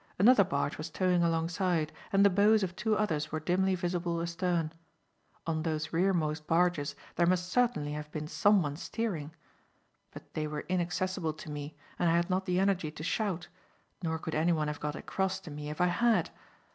Another barge was towing alongside, and the bows of two others were dimly visible astern. On those rear most barges there must certainly have been someone steering. But they were inaccessible to me, and I had not the energy to shout; nor could anyone have got across to me if I had.